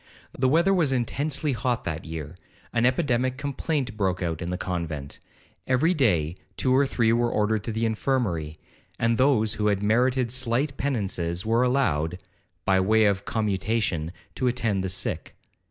The weather was intensely hot that year—an epidemic complaint broke out in the convent—every day two or three were ordered to the infirmary, and those who had merited slight penances were allowed, by way of commutation, to attend the sick.